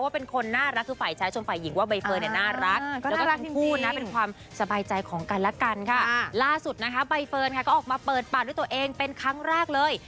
เปิดปากด้วยตัวเองเป็นครั้งแรกเลย